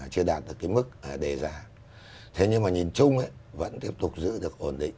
chưa đạt được cái mức đề ra thế nhưng mà nhìn chung vẫn tiếp tục giữ được ổn định